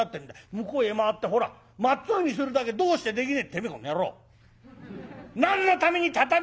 向こうへ回ってほらまっつぐにするだけどうしてできねえてめえこの野郎！何のために畳にへりがある！